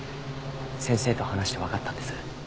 先生と話してわかったんです。